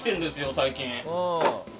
最近。